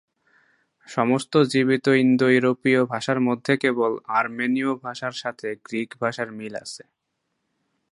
সমস্ত জীবিত ইন্দো-ইউরোপীয় ভাষার মধ্যে কেবল আরমেনীয় ভাষার সাথে গ্রিক ভাষার মিল আছে।